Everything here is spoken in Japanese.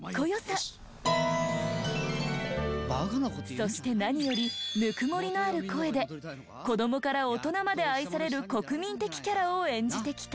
そして何よりぬくもりのある声で子どもから大人まで愛される国民的キャラを演じてきた。